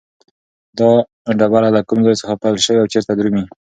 دا ډبره له کوم ځای څخه پیل شوې او چیرته درومي؟